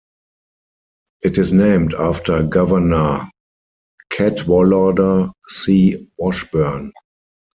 It is named after Governor Cadwallader C. Washburn.